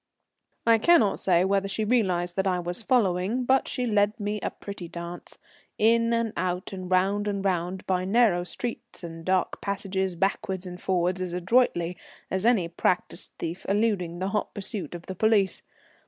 I cannot say whether she realized that I was following, but she led me a pretty dance. In and out, and round and round, by narrow streets and dark passages, backwards and forwards, as adroitly as any practised thief eluding the hot pursuit of the police.